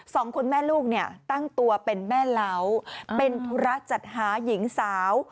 สองคนแม่ลูกเนี่ยตั้งตัวเป็นแม่เหลาเป็นธุระจัดหาหญิงสาว